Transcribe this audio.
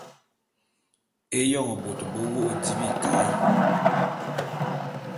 Éyoñ bôt be wô’ô di bika’e.